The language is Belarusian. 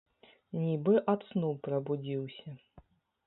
Нібы ад сну прабудзіўся.